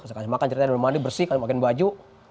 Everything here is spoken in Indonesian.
saya kasih makan ceritain udah mandi bersih saya pakein baju